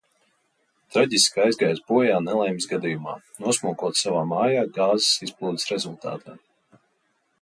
Traģiski aizgājis bojā nelaimes gadījumā, nosmokot savā mājā gāzes izplūdes rezultātā.